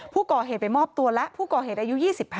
ผู้ก่อเหตุไปมอบตัวแล้วผู้ก่อเหตุอายุ๒๕